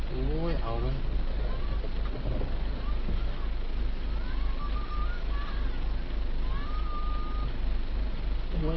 อู้ยเอาเลย